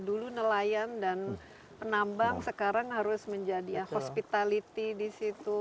dulu nelayan dan penambang sekarang harus menjadi ya hospitality di situ